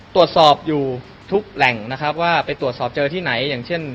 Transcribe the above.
ตรวจสอบอยู่ทุกแหล่งนะครับว่าไปตรวจสอบเจอที่ไหนอย่างเช่น